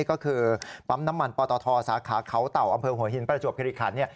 ก็คือปั๊มน้ำมันปตทสาขาเขาเต่าอำเภอหัวหินประจวบคิริขัน